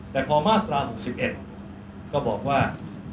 แต่พอมาตราสิบเอ็มก็บอกว่า